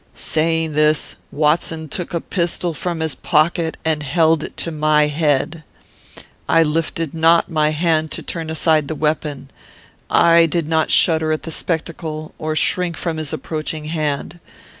"Saying this, Watson took a pistol from his pocket, and held it to my head. I lifted not my hand to turn aside the weapon. I did not shudder at the spectacle, or shrink from his approaching hand.